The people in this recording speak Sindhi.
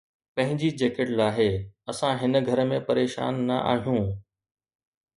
پنھنجي جيڪٽ لاھي، اسان ھن گھر ۾ پريشان نه آھيون